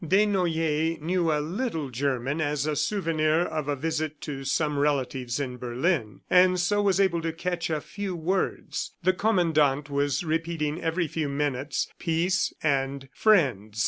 Desnoyers knew a little German as a souvenir of a visit to some relatives in Berlin, and so was able to catch a few words. The Commandant was repeating every few minutes "peace" and "friends."